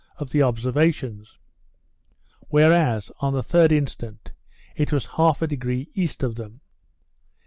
of the observations; whereas, on the 3d instant, it was half a degree E. of them.